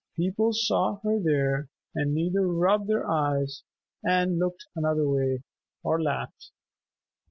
People saw her there and either rubbed their eyes and looked another way, or laughed.